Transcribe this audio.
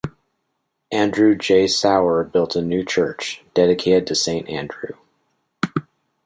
Andrew J. Sauer built a new church, dedicated to Saint Andrew.